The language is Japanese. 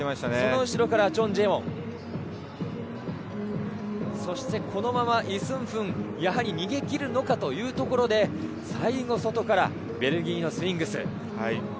うしろからチョン・ジェウォン、そしてイ・スンフン、やはり逃げ切るのかというところで、最後、外からベルギーのスウィングス。